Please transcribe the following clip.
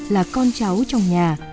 là con cháu trong nhà